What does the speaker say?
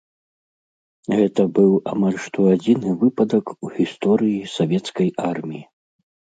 Гэта быў амаль што адзіны выпадак у гісторыі савецкай арміі.